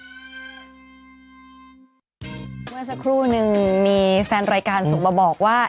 เมื่อสักครู่นึงมีแฟนรายการส่งมาบอกว่า